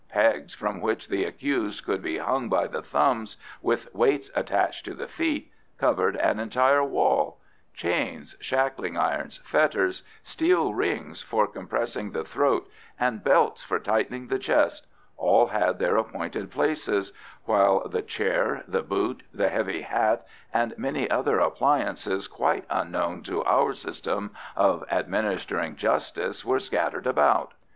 Pegs from which the accused could be hung by the thumbs with weights attached to the feet, covered an entire wall; chains, shackling irons, fetters, steel rings for compressing the throat, and belts for tightening the chest, all had their appointed places, while the Chair, the Boot, the Heavy Hat, and many other appliances quite unknown to our system of administering justice were scattered about.